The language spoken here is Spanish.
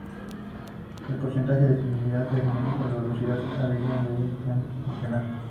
El porcentaje de similaridad genómica y la velocidad de hibridación es directamente proporcional.